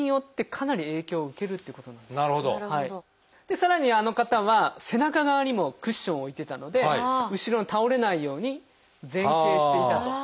さらにあの方は背中側にもクッションを置いてたので後ろに倒れないように前傾していたと。